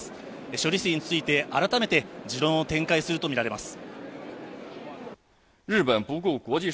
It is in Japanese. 処理施設について改めて持論を展開すると見られます